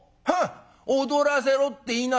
『踊らせろ』って言いなさい。